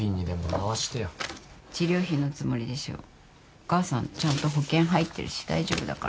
お母さんちゃんと保険入ってるし大丈夫だから。